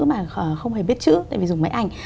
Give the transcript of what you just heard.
mà không hề biết chữ tại vì dùng máy ảnh